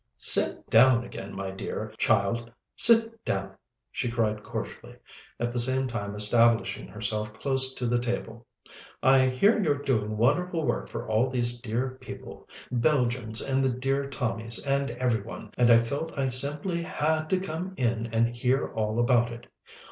"Sit down again, my dear child sit down!" she cried cordially, at the same time establishing herself close to the table. "I hear you're doing wonderful work for all these dear people Belgians and the dear Tommies and every one and I felt I simply had to come in and hear all about it.